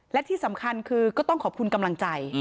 และที่สำคัญคือก็ต้องขอบคุณกำลังใจ